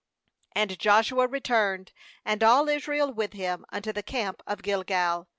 t15And Joshua returned, and all Israel with him, unto the camp to Gilgal.